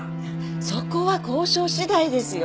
そこは交渉次第ですよ。